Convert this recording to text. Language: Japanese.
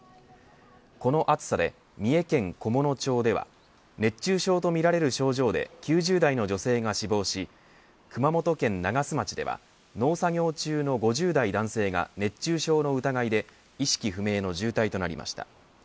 この暑さで三重県菰野町では熱中症とみられる症状で９０代の女性が死亡し熊本県長洲町では農作業中の５０代の男性が熱中症の疑いで意識不明の重体となりました。